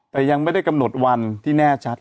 แต่ยังไม่ได้กำหนดวันที่แน่ชัด